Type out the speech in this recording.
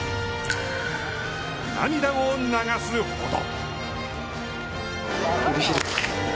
涙を流すほど。